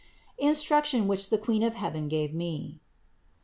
INSTRUCTION WHICH THE QUEEN OF HEAVEN GAVE ME.